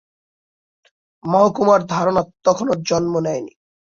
মহকুমার ধারণা তখনও জন্ম নেয়নি।